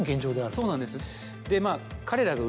そうなんです。